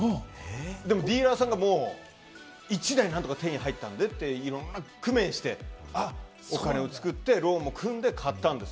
でもディーラーさんが一台何か手に入ったんだって言って、いろいろ工面して、お金を作ってローンを組んで買ったんです。